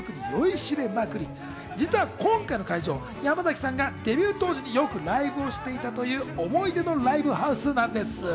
実は今回の会場、山崎さんがデビュー当時によくライブをしていたという思い出のライブハウスなんです。